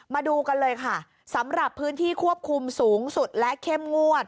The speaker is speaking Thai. มาดูกันเลยค่ะสำหรับพื้นที่ควบคุมสูงสุดและเข้มงวด